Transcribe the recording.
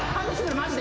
マジで。